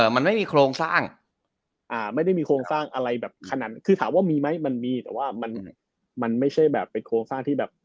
มันไม่มีโครงสร้างไม่ได้มีโครงสร้างอะไรแบบขนาดคือถามว่ามีไหมมันมีแต่ว่ามันไม่ใช่แบบเป็นโครงสร้างที่แบบ